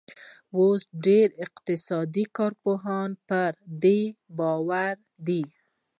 اوس ډېر اقتصادي کارپوهان پر دې باور دي.